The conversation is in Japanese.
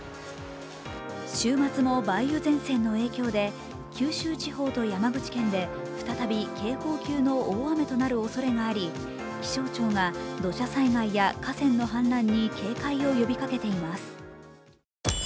週末も梅雨前線の影響で九州地方と山口県で再び警報級の大雨となるおそれがあり気象庁が土砂災害や河川の氾濫に警戒を呼びかけています。